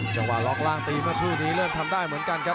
จังหว่าล้างตีมันสุดนี้เริ่มทำได้เหมือนกันครับ